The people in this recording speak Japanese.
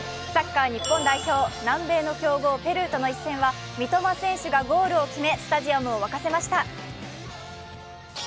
サッカー日本代表、南米の強豪ペルーとの一戦は三笘選手がゴールを決め、スタジアムを沸かせました。